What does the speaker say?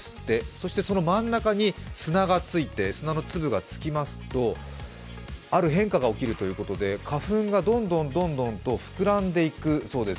そしてその真ん中に砂の粒がつきますと、ある変化が起きるということで花粉がどんどんとふくらんでいくそうです。